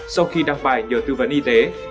sau khi đăng bài nhờ tư vấn y tế